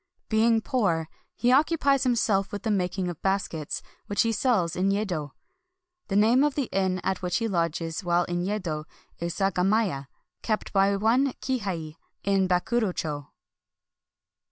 Being poor, he occu pies himself with the making of baskets, which he sells in Yedo. The name of the inn at which he lodges while in Yedo is Sagamiya, kept by one Kihei, in Bakuro cho.